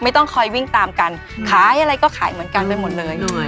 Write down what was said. ไม่ต้องคอยวิ่งตามกันขายอะไรก็ขายเหมือนกันไปหมดเลย